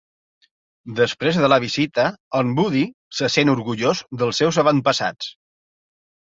Després de la visita, en Woody se sent orgullós dels seus avantpassats.